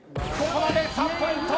これで３ポイント。